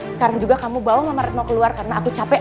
sekarang juga kamu bawa nama retno keluar karena aku capek